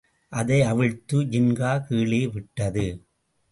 அதை அவிழ்த்து ஜின்கா கீழே விட்டது.